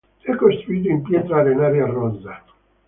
È costruito in pietra arenaria rossa.